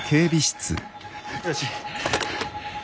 よし。